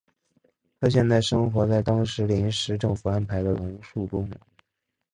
他现在生活在当时临时政府安排的龙树宫。